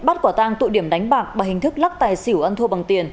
bắt quả tang tội điểm đánh bạc bằng hình thức lắc tài xỉu ăn thua bằng tiền